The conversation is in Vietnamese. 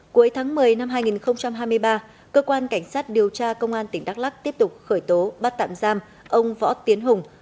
cuối tháng một mươi năm hai nghìn hai mươi ba cơ quan cảnh sát điều tra công an tỉnh đắk lắc tiếp tục khởi tố bắt tạm giam ông võ tiến hùng